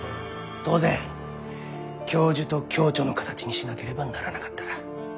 当然教授と共著の形にしなければならなかった。